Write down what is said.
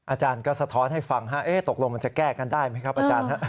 อาจารย์ก็สะท้อนให้ฟังตกลงมันจะแก้กันได้ไหมครับอาจารย์